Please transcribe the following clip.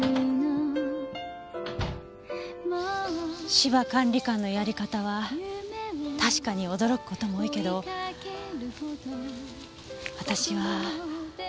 芝管理官のやり方は確かに驚く事も多いけど私は。